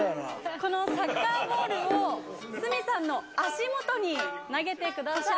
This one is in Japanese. このサッカーボールを、鷲見さんの足元に投げてください。